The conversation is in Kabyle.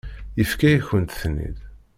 Yefka-yakent-ten-id.